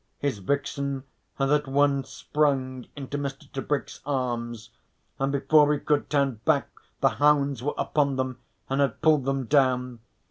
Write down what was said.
His vixen had at once sprung into Mr. Tebrick's arms, and before he could turn back the hounds were upon them and had pulled them down.